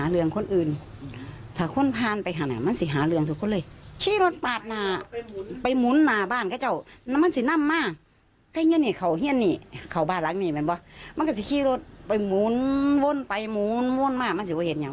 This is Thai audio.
เรื่องจริงเลยล่ะเรื่องจริงเลยล่ะมันไม่ได้เลือกสรรพันธุ์น่ะเลย